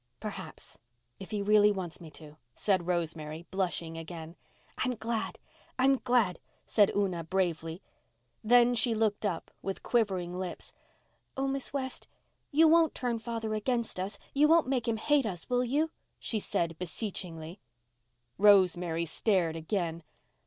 "Perhaps—if he really wants me to," said Rosemary, blushing again. "I'm glad—I'm glad," said Una bravely. Then she looked up, with quivering lips. "Oh, Miss West, you won't turn father against us—you won't make him hate us, will you?" she said beseechingly. Rosemary stared again.